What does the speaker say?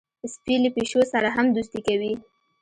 سپي له پیشو سره هم دوستي کوي.